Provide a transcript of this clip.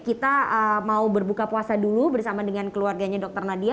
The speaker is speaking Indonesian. kita mau berbuka puasa dulu bersama dengan keluarganya dr nadia